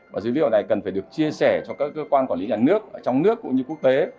và dữ liệu này cần phải được chia sẻ cho các cơ quan quản lý nhà nước trong nước cũng như quốc tế